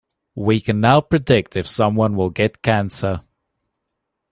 We can now predict if someone will get Cancer.